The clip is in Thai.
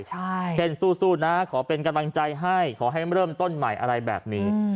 เช่นสู้นะขอเป็นกำลังใจให้ขอให้เริ่มต้นใหม่อะไรแบบนี้